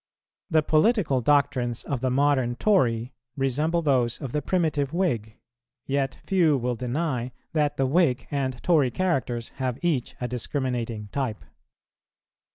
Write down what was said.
The political doctrines of the modern Tory resemble those of the primitive Whig; yet few will deny that the Whig and Tory characters have each a discriminating type.